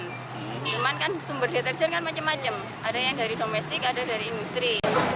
cuman kan sumber deterjen kan macam macam ada yang dari domestik ada dari industri